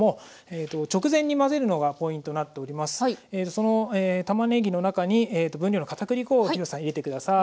そのたまねぎの中に分量の片栗粉を廣瀬さん入れて下さい。